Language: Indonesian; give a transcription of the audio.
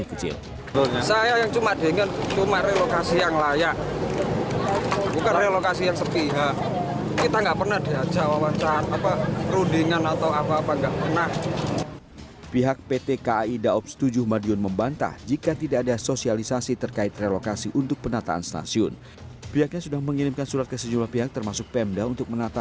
pemilik warung menolak direlokasi hingga melawan dan juga menyiram petugas